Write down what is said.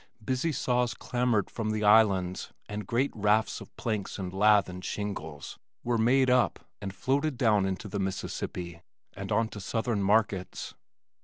Busy saws clamored from the islands and great rafts of planks and lath and shingles were made up and floated down into the Mississippi and on to southern markets.